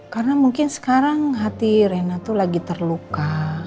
karena mungkin sekarang hati rena tuh lagi terluka